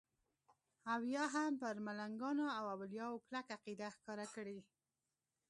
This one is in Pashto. او یا هم پر ملنګانو او اولیاو کلکه عقیده ښکاره کړي.